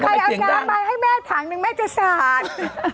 ใครเอาแซมใบให้แม่ถังหนึ่งแม่จะสาด